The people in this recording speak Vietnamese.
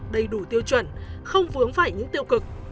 đầy đủ tiêu chuẩn không vướng phải những tiêu cực